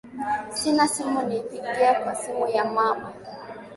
Sina simu nilipigie kwa simu ya mama